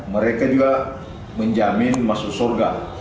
mereka juga menjamin masuk surga